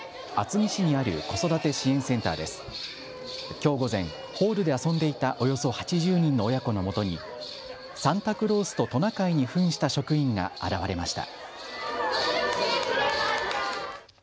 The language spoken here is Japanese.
きょう午前、ホールで遊んでいたおよそ８０人の親子のもとにサンタクロースとトナカイにふんした職員が現れました。